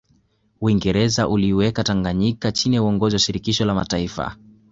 Uingereza uliiweka Tanganyika chini ya uongozi wa Shirikisho la Mataifa